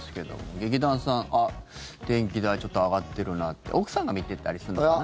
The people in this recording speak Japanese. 劇団さん、電気代ちょっと上がってるなって奥さんが見てたりするのかな。